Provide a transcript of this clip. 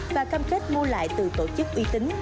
và cam kết mua lại từ tổ chức uy tín